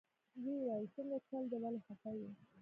ويې ويل سنګه چل دې ولې خفه يې.